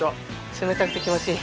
冷たくて気持ちいい。